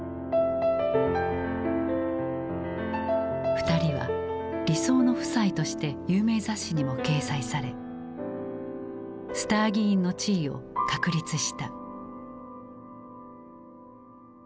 ２人は理想の夫妻として有名雑誌にも掲載されスター議員の地位を確立した。